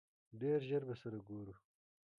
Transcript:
ډېر ژر به سره ګورو!